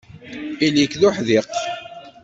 Ili-k d uḥdiq.